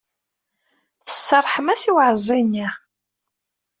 Tserrḥem-as i uɛeẓẓi-nni?